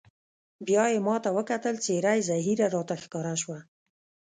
بیا یې ما ته وکتل، څېره یې زهېره راته ښکاره شوه.